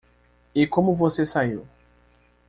E como você saiu?